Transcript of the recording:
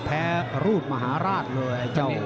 แพ้รูปมหาราศเลย